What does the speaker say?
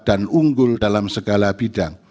unggul dalam segala bidang